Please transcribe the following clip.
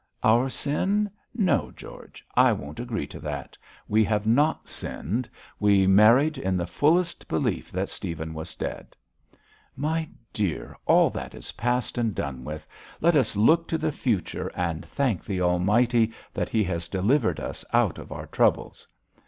'Our sin; no, George, I won't agree to that. We have not sinned. We married in the fullest belief that Stephen was dead.' 'My dear, all that is past and done with. Let us look to the future, and thank the Almighty that He has delivered us out of our troubles.'